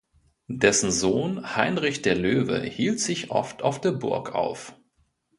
Dessen Sohn Heinrich der Löwe hielt sich oft auf der Burg auf.